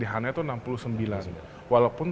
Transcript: di hananya itu enam puluh sembilan walaupun